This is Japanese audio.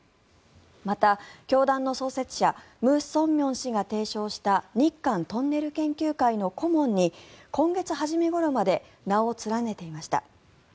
また、教団の創設者ムン・ソンミョン氏が提唱した日韓トンネル研究会の顧問に今月初めごろまで名を連ねていました。